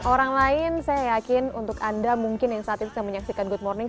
orang lain saya yakin untuk anda mungkin yang saat ini sedang menyaksikan good morning